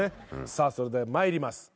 さあそれでは参ります。